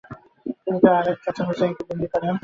তিনি তার আরেক চাচা হুসাইনকে বন্দী করেন।